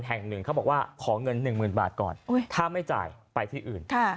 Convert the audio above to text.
แล้ึ่งต้องไปจ่ายไปที่อื่น